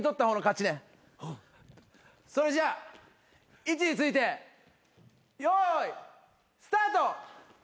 それじゃあ位置についてよいスタート！